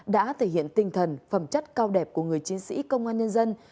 đã thể hiện tinh thần phẩm chất cao đẹp của người chiến sĩ công an nhân dân